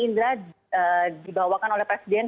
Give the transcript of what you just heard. indra dibawakan oleh presiden